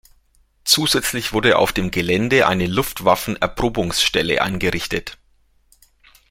Zusätzlich wurde auf dem Gelände eine Luftwaffen-Erprobungsstelle eingerichtet.